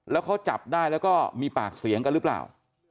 แล้วเขาจับได้แล้วก็มีปากเสียงกันหรือเปล่า